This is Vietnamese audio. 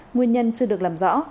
nguyên nhân chưa được làm rõ